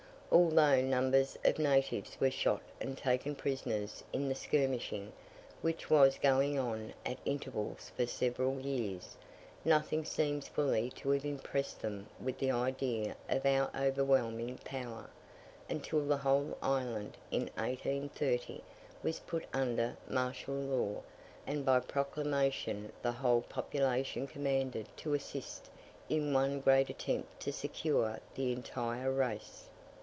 Although numbers of natives were shot and taken prisoners in the skirmishing, which was going on at intervals for several years; nothing seems fully to have impressed them with the idea of our overwhelming power, until the whole island, in 1830, was put under martial law, and by proclamation the whole population commanded to assist in one great attempt to secure the entire race.